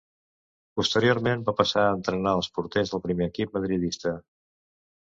Posteriorment, va passar a entrenar als porters del primer equip madridista.